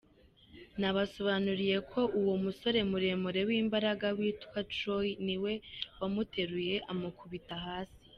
Nabasobanuriye ko uwo musore muremure w’imbaraga witwa Troy ni we wamuteruye amukubita hasi.